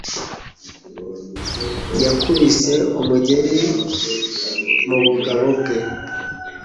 yamukubise umugeri mu bugabo bwe